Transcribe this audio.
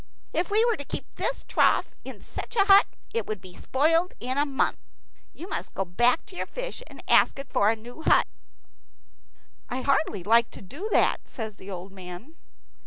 If we were to keep this trough in such a hut, it would be spoiled in a month. You must go back to your fish and ask it for a new hut." "I hardly like to do that," says the old man.